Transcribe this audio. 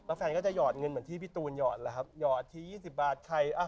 แล้วแฟนก็จะหยอดเงินเหมือนที่พี่ตูนหยอดแล้วครับหยอดทียี่สิบบาทใครอ่ะ